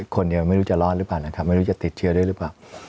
คนเดียวไม่รู้จะร้อนหรือเปล่านะครับไม่รู้จะติดเชื้อด้วยหรือเปล่า